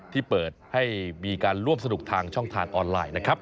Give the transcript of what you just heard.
ที่เปิดให้มีการร่วมสนุกทางช่องทางออนไลน์นะครับ